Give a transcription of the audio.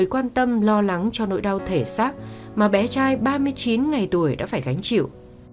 quan tâm lo lắng cho nỗi đau thể xác mà bé trai ba mươi chín ngày tuổi đã phải gánh chịu